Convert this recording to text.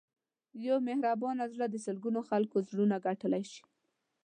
یو مهربان زړه د سلګونو خلکو زړونه ګټلی شي.